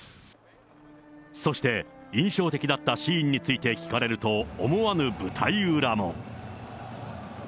そして、印象的だったシーンについて聞かれると思わぬ舞台裏も。